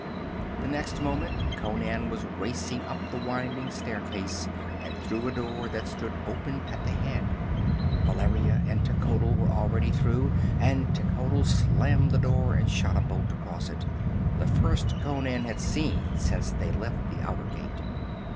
The next moment Conan was racing up the winding staircase, and through a door that stood open at the head. Valeria and Techotl were already through, and Techotl slammed the door and shot a bolt across it the first Conan had seen since they left the outer gate.